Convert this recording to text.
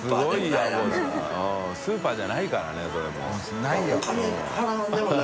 Δスーパーじゃないからねそれもう。